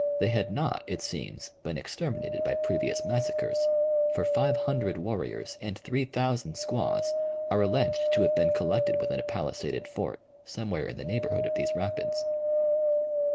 They had not, it seems, been exterminated by previous massacres, for five hundred warriors and three thousand squaws are alleged to have been collected within a palisaded fort, somewhere in the neighborhood of these rapids.